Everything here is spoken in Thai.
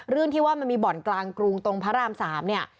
เรื่องที่ว่ามันมีบ่อนกลางกรุงตรงพระราม๓เนี่ย